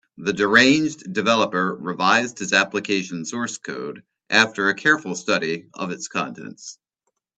The deranged developer revised his application source code after a careful study of its contents.